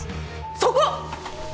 そこ！